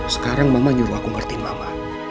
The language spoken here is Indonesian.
sekarang mama nyuruh aku ngerti mama